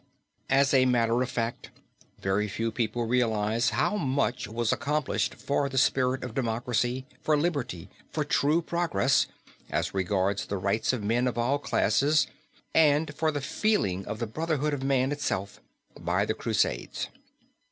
] As a matter of fact very few people realize how much was accomplished for the spirit of democracy, for liberty, for true progress, as regards the rights of men of all classes, and for the feeling of the brotherhood of man itself, by the Crusades.